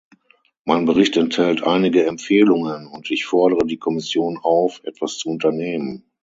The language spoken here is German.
Mein Bericht enthält einige Empfehlungen, und ich fordere die Kommission auf, etwas zu unternehmen.